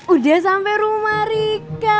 udah sampe rumah rika